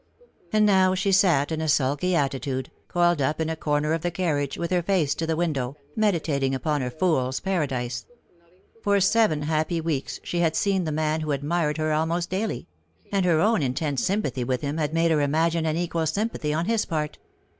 And now she sat in a sulky attitude, coiled up in a corner of the carriage, with her face to the window, meditating upon her fool's paradise. For ven happy weeks she had seen the man she admired alniost daily ; and her own intense sympathy with him had made her imagine an equal sympathy on his part.